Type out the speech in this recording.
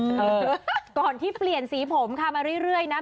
ก่อนที่เปลี่ยนสีผมค่ะมาเรื่อยนะ